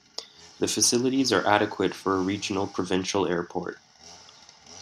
The facilities are adequate for a regional provincial airport.